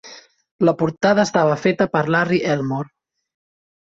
La portada estava feta per Larry Elmore.